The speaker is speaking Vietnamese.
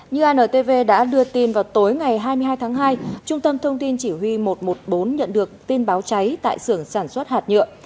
như antv đã đưa tin vào tối ngày hai mươi hai tháng hai trung tâm thông tin chỉ huy một trăm một mươi bốn nhận được tin báo cháy tại sưởng sản xuất hạt nhựa